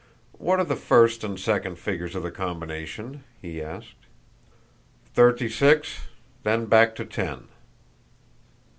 "What are the first and second figures of the combination?" he asked. "Thirty six, then back to ten."